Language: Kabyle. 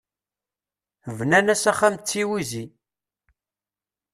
Bnan-as axxam d tiwizi.